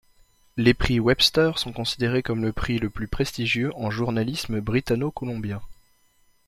Les prix Webster sont considérés comme le prix le plus prestigieux en journalisme britanno-colombien.